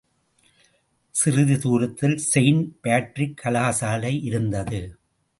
சிறிதுதுரத்தில் saint Patrick கலாசாலை யிருந்தது.